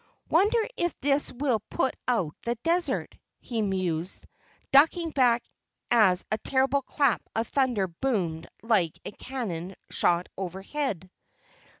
"Wonder if this will put out the desert?" he mused, ducking back as a terrible clap of thunder boomed like a cannon shot overhead.